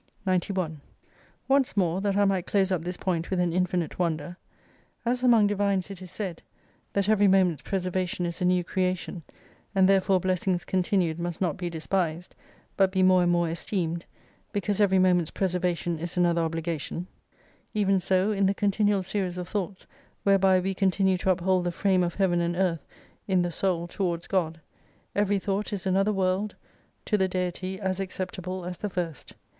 91 Once more, that I might close up this point with an infinite wonder : As among divines, it is said, That every moments preservation is a new creation : and therefore blessings continued mtist not be despised^ but be more and more esteemed: because every momenfs preservation is another obligation : even so in the continual series of thoughts whereby we continue to uphold the frame of Heaven and Earth in the Soul towards God, every thought is another world to the Deity as acceptable as the first.